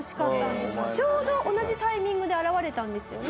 ちょうど同じタイミングで現れたんですよね？